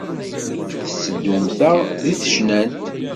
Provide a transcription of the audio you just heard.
tetteddumt-aɣ deg tecnant.